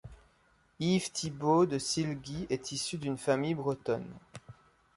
Yves Thibault de Silguy est issu d'une famille bretonne.